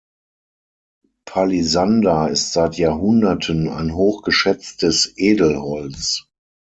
Palisander ist seit Jahrhunderten ein hoch geschätztes Edelholz.